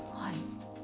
はい。